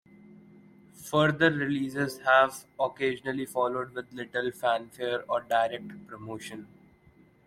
Further releases have occasionally followed, with little fanfare or direct promotion.